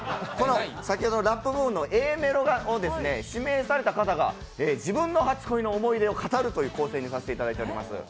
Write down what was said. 先ほどのラップ部分のＡメロを指名された方が自分の初恋の思い出を語るという構成にさせていただいております。